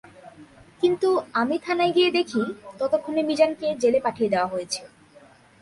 কিন্তু আমি থানায় গিয়ে দেখি, ততক্ষণে মিজানকে জেলে পাঠিয়ে দেওয়া হয়েছে।